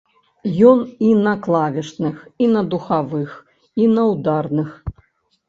Ён і на клавішных, і на духавых, і на ўдарных.